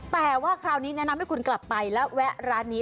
แต่ว่าคราวนี้แนะนำให้คุณกลับไปและแวะร้านนี้